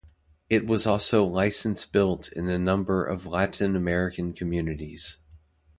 It was also license-built in a number of Latin American countries.